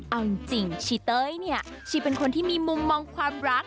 เอาจริงชีเต้ยเนี่ยชีเป็นคนที่มีมุมมองความรัก